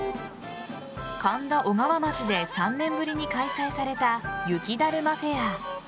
神田小川町で３年ぶりに開催された雪だるまフェア。